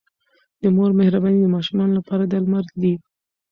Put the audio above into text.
د مور مهرباني د ماشومانو لپاره درمل دی.